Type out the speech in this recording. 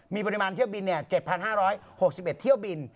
มีปริมาณเที่ยวบิน๗๕๖๑เที่ยวบิน